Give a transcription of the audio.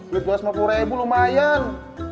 duit dua ratus lima puluh ribu lumayan